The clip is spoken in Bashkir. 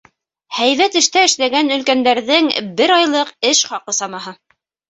Һәйбәт эштә эшләгән өлкәндәрҙең бер айлыҡ эш хаҡы самаһы.